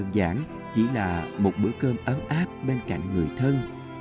đơn giản chỉ là một bữa cơm ấm áp bên cạnh người thân